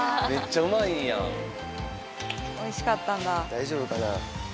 大丈夫かな？